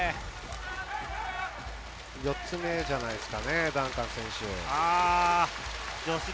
４つ目じゃないですかね、ダンカン選手。